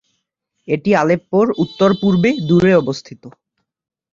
এটি আলেপ্পোর উত্তর-পূর্বে দূরে অবস্থিত।